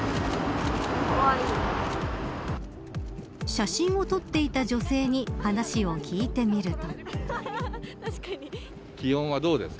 写真を撮っていた女性に話を聞いてみると。